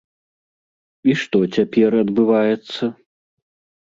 І што цяпер адбываецца?